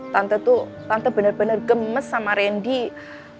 tante tuh tante bener bener gemes sama rendy